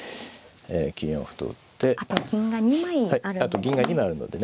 はいあと銀が２枚あるのでね